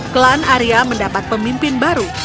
klan arya mendapat pemimpin baru